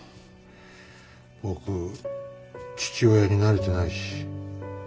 僕父親になれてないし。